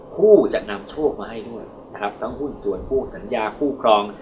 ผู้จะนำโชคมาให้ด้วยนะครับทั้งหุ้นส่วนคู่สัญญาคู่ครอง